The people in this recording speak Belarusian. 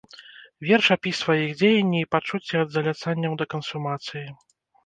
Верш апісвае іх дзеянні і пачуцці ад заляцанняў да кансумацыі.